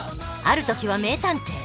ある時は名探偵。